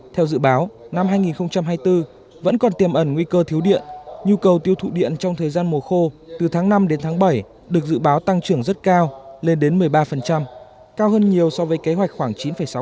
theo dự báo năm hai nghìn hai mươi bốn vẫn còn tiềm ẩn nguy cơ thiếu điện nhu cầu tiêu thụ điện trong thời gian mùa khô từ tháng năm đến tháng bảy được dự báo tăng trưởng rất cao lên đến một mươi ba cao hơn nhiều so với kế hoạch khoảng chín sáu